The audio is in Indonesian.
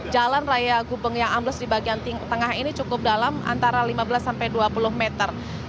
jalan raya gubeng yang ambles di bagian tengah ini cukup dalam antara lima belas sampai dua puluh meter